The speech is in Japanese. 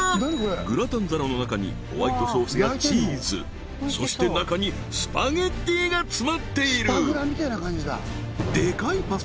グラタン皿の中にホワイトソースやチーズそして中にスパゲッティが詰まっている！